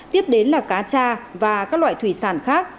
tiếp đến là cá cha và các loại thủy sản khác